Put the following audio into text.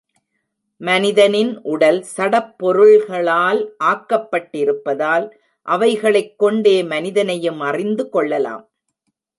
மனிதனின் உடல் சடப்பொருள்களால் ஆக்கப்பட்டிருப்பதால், அவைகளைக் கொண்டே மனிதனையும் அறிந்து கொள்ளலாம்.